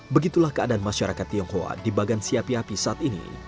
begitulah keadaan masyarakat tionghoa di bagansi api api saat ini